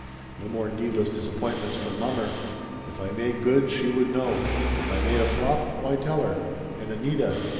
No more needless disappointments for mommer. If I made good she would know. If I made a flop why tell her? And Anita.